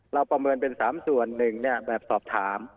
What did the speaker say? ประเมินเป็น๓ส่วนหนึ่งแบบสอบถาม